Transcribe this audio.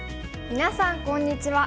みなさんこんにちは。